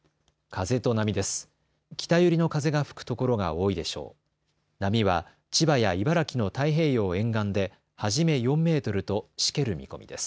風と波です。